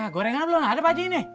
gorengan belum ada pak jik